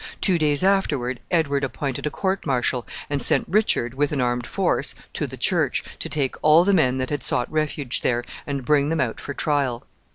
Two days afterward Edward appointed a court martial, and sent Richard, with an armed force, to the church, to take all the men that had sought refuge there, and bring them out for trial.